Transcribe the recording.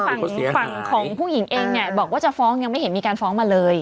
ฝั่งฝั่งของผู้หญิงเองเนี่ยบอกว่าจะฟ้องยังไม่เห็นมีการฟ้องมาเลย